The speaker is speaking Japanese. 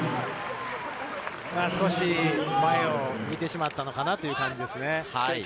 少し前を見てしまったのかなという感じです。